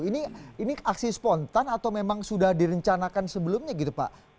ini aksi spontan atau memang sudah direncanakan sebelumnya gitu pak